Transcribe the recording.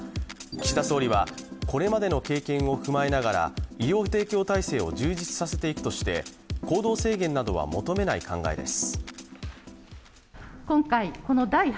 岸田総理はこれまでの経験を踏まえながら、医療提供体制を充実させていくとして行動制限などは求めない考えです。